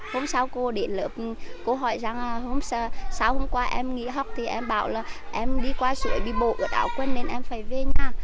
hôm sau cô đến lớp cô hỏi rằng hôm sau hôm qua em nghỉ học thì em bảo là em đi qua sủi bị bộ ướt áo quên nên em phải về nha